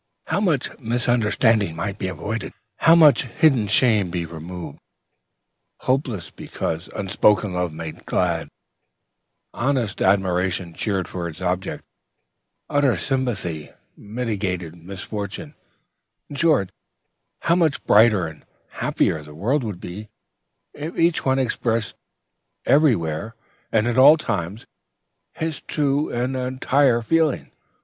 How much misunderstanding might be avoided, how much hidden shame be removed, hopeless because unspoken love made glad, honest admiration cheer its object, uttered sympathy mitigate misfortune, in short, how much brighter and happier the world would become, if each one expressed, everywhere and at all times, his true and entire feeling!